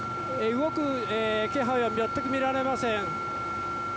動く気配は全くみられません。